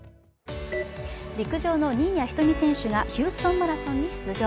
陸上の新谷仁美選手がヒューストンマラソンに出場。